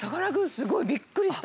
すごいびっくりした！